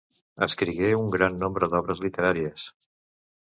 Escrigué un gran nombre d'obres literàries.